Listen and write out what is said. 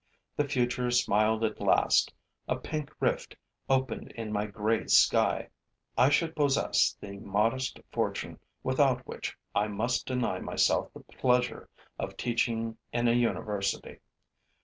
The future smiled at last; a pink rift opened in my gray sky. I should possess the modest fortune without which I must deny myself the pleasure of teaching in a university.